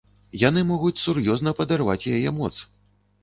Яны могуць сур'ёзна падарваць яе моц.